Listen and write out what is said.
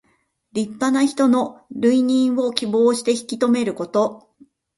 立派な人の留任を希望して引き留めること。